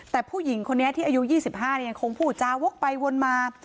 แต่ผู้หญิงคนนี้ที่อายุ๒๕ยังคงพูดจาวกไปวนมา